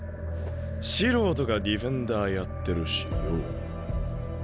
素人がディフェンダーやってるしよ。